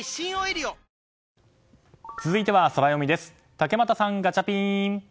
竹俣さん、ガチャピン。